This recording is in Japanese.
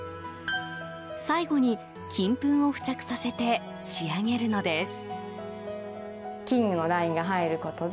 最後に金紛を付着させて仕上げるのです。